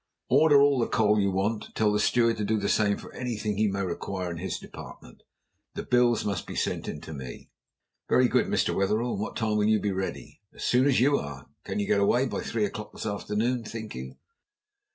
"Order all the coal you want, and tell the steward to do the same for anything he may require in his department. The bills must be sent in to me." "Very good, Mr. Wetherell. And what time will you be ready?" "As soon as you are. Can you get away by three o'clock this afternoon, think you?"